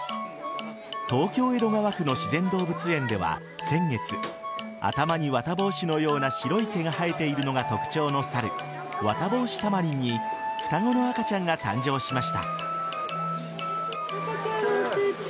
東京・江戸川区の自然動物園では先月頭に綿帽子のような白い毛が生えているのが特徴の猿ワタボウシタマリンに双子の赤ちゃんが誕生しました。